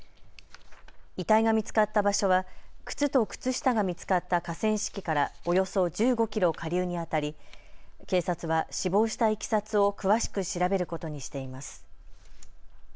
遺体が見つかった場所は靴と靴下が見つかった河川敷からおよそ１５キロ下流にあたり警察は死亡したいきさつを詳しく調べることにしています。